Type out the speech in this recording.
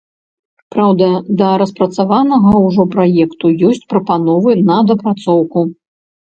Праўда, да распрацаванага ўжо праекту ёсць прапановы на дапрацоўку.